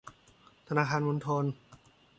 ธนาคารมณฑล